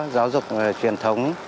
giáo dục truyền thống